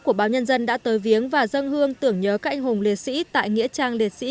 của báo nhân dân đã tới viếng và dâng hương tưởng nhớ cạnh hùng liệt sĩ tại nghĩa trang liệt sĩ